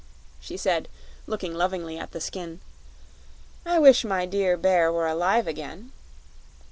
She said, looking lovingly at the skin: 'I wish my dear bear were alive again!'